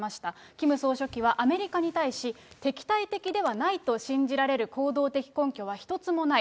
キム総書記は、アメリカに対し、敵対的ではないと信じられる行動的根拠は一つもない。